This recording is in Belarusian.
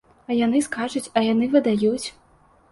А яны скачуць, а яны выдаюць!